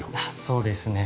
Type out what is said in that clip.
そうですね。